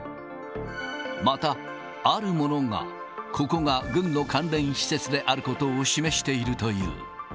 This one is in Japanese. また、あるものが、ここが軍の関連施設であることを示しているという。